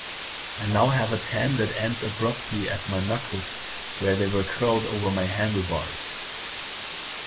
I now have a tan that ends abruptly at my knuckles where they were curled over my handlebars.